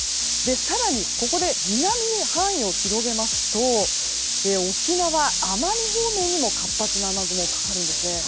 更にここで南に範囲を広げますと沖縄、奄美方面にも活発な雨雲がかかるんですね。